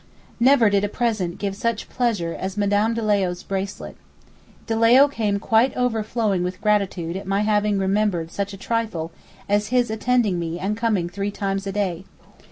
Never did a present give such pleasure as Mme. De Leo's bracelet. De Leo came quite overflowing with gratitude at my having remembered such a trifle as his attending me and coming three times a day!